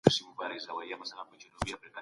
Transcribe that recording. د نظريو په څېړنه کي له دې ميتود کار اخيستل سو.